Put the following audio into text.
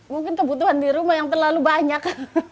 mungkin kebutuhan di rumah yang terlalu banyak